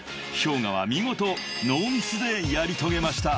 ［ＨｙＯｇＡは見事ノーミスでやり遂げました］